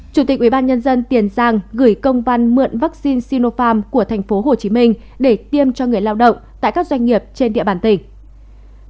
chủ tịch ủy ban nhân dân tiền giang gửi công văn mượn vaccine sinopharm của tp hcm để tiêm cho người lao động tại các doanh nghiệp trên địa bàn tỉnh